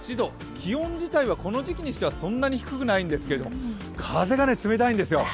気温自体はこの時期にしてはそんなに低くないんですけど、風が冷たいんですよ。